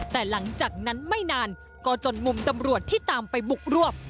แต่หลังจากนั้นไม่นานก็จนมุมตำรวจที่ตามไปบุกรวบ